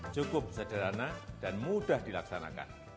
cukup sederhana dan mudah dilaksanakan